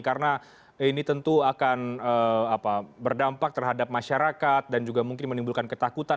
karena ini tentu akan berdampak terhadap masyarakat dan juga mungkin menimbulkan ketakutan